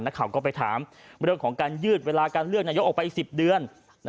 นักข่าวก็ไปถามเรื่องของการยืดเวลาการเลือกนายกออกไปอีก๑๐เดือน